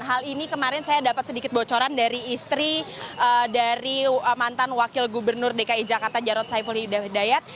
hal ini kemarin saya dapat sedikit bocoran dari istri dari mantan wakil gubernur dki jakarta jarod saiful hidayat